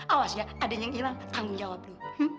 awas ya ada yang hilang tanggung jawab dulu